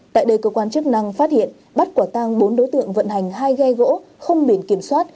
tại đây cơ quan chức năng phát hiện bắt quả tang bốn đối tượng vận hành hai ghe gỗ không biển kiểm soát